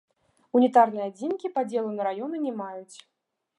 Унітарныя адзінкі падзелу на раёны не маюць.